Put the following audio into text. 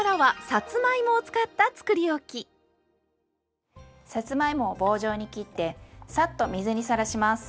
さつまいもは棒状に切ってサッと水にさらします。